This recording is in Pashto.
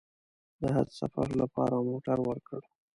د حج سفر لپاره موټر ورکړ.